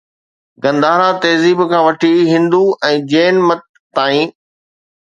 گنڌارا تهذيب کان وٺي هندو ۽ جين مت تائين